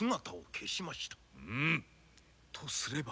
うんとすれば。